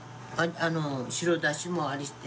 白だしもあれして。